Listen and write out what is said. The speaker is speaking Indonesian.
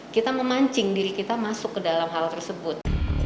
kita memancing diri kita masuk ke dalam hal tersebut